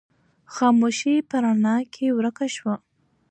خاموشي په رڼا کې ورکه شوه.